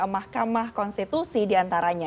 mahkamah konstitusi diantaranya